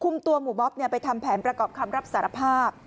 ตัวหมู่บ๊อบไปทำแผนประกอบคำรับสารภาพ